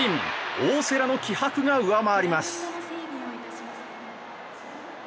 大瀬良の気迫が上回ります。